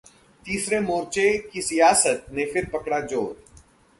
तीसरे मोर्चे की सियासत ने फिर पकड़ा जोर